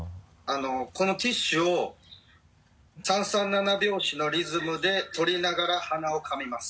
このティッシュを三三七拍子のリズムで取りながら鼻をかみます。